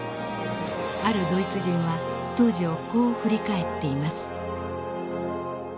あるドイツ人は当時をこう振り返っています。